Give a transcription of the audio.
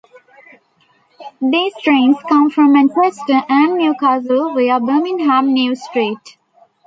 These trains come from Manchester and Newcastle via Birmingham New street.